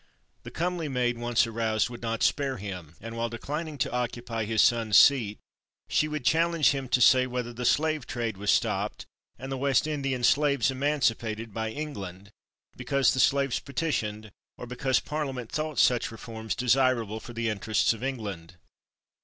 The comely maid, once aroused, would not spare him, and while declining to occupy his son's seat, she would challenge him to say whether the slave trade was stopped and the West Indian slaves emancipated by England because the slaves petitioned, or because Parliament thought such reforms desirable for the interests of England.